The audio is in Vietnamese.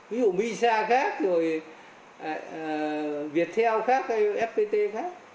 ví dụ misa khác rồi viettel khác fpt khác